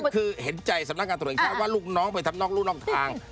คือเห็นใจสำนักงานตรวจแห่งชาติว่าลูกน้องไปทำนอกรู่นอกทาง